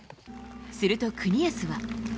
すると國安は。